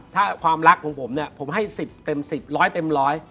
ถ้าความรักของผมเนี่ยผมให้๑๐เต็ม๑๐ร้อยเต็มร้อย